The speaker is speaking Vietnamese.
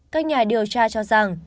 các nhà điều tra cho rằng